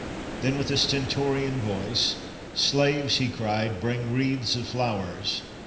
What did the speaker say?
Then, with a stentorian voice: "Slaves," he cried, "bring wreaths of flowers.